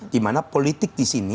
dimana politik disini